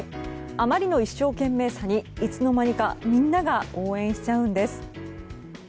あまりの一生懸命さにいつの間にかみんなが応援しちゃうんです。